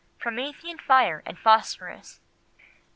Promethean Fire and Phosphorus.